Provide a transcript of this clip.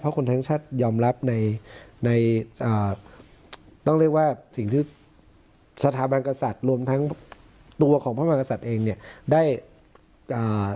เพราะคนทั้งชาติยอมรับในในอ่าต้องเรียกว่าสิ่งที่สถาบันกษัตริย์รวมทั้งตัวของพระมากษัตริย์เองเนี่ยได้อ่า